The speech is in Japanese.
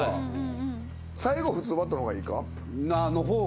最後普通バットの方がいいか？